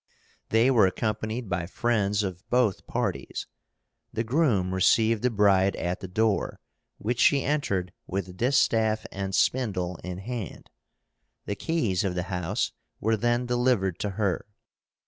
They were accompanied by friends of both parties. The groom received the bride at the door, which she entered with distaff and spindle in hand. The keys of the house were then delivered to her.